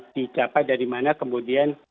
dicapai dari mana kemudian